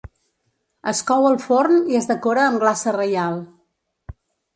Es cou al forn i es decora amb glaça reial.